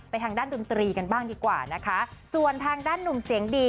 ทางด้านดนตรีกันบ้างดีกว่านะคะส่วนทางด้านหนุ่มเสียงดี